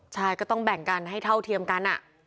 ใช่ก็ต้องแบ่งกันให้เท่าเทียมกัน